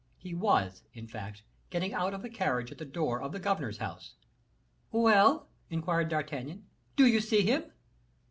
He was, in fact, getting out of the carriage at the door of the governor's house. "Well," inquired D'Artagnan, "do you see him?"